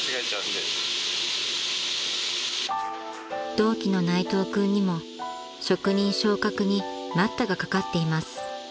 ［同期の内藤君にも職人昇格に待ったがかかっています］